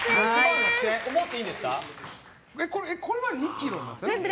これは２ｋｇなんですね。